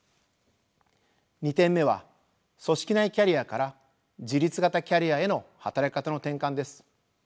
２点目は組織内キャリアから自律型キャリアへの働き方の転換です。